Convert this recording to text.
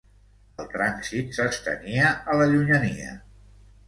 El trànsit s'estenia a la llunyania.